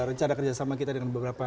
rencana kerjasama kita dengan beberapa